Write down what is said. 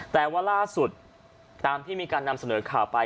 แต่ว่าล่าสุดตามที่มีการนำเสนอข่าวไป